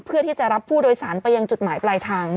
เพื่อที่จะรับผู้โดยสารไปยังจุดหมายปลายทาง